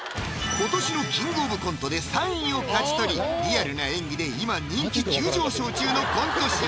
今年の「キングオブコント」で３位を勝ち取りリアルな演技で今人気急上昇中のコント師・「